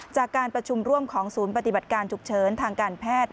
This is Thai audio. จากการประชุมร่วมของศูนย์ปฏิบัติการฉุกเฉินทางการแพทย์